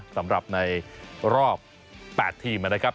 สำหรับในรอบ๘ทีมนะครับ